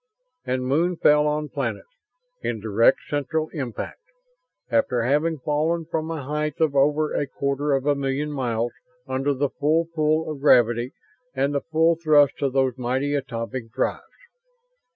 And moon fell on planet, in direct central impact, after having fallen from a height of over a quarter of a million miles under the full pull of gravity and the full thrust of those mighty atomic drives.